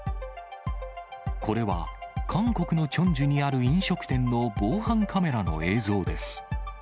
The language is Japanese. これは、韓国のチョンジュにある飲食店の防犯カメラの映像です。